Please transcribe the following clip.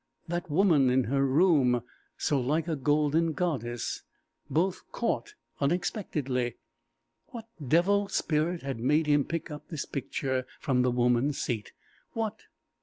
That woman in her room, so like a golden goddess! Both caught unexpectedly! What devil spirit had made him pick up this picture from the woman's seat? What....